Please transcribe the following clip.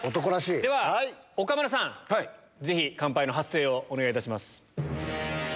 では、岡村さん、ぜひ乾杯の発声をお願いいたします。